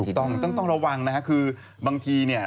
ถูกต้องต้องระวังนะครับคือ